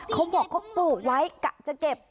เขาบอกเขาปลูกไว้กะจะเก็บ